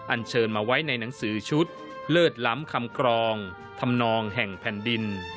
อันเชิญมาไว้ในหนังสือชุดเลิศล้ำคำกรองธรรมนองแห่งแผ่นดิน